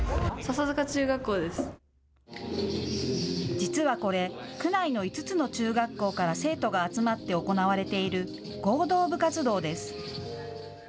実はこれ区内の５つの中学校から生徒が集まって行われている合同部活動です。